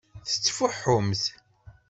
Tettfuḥumt.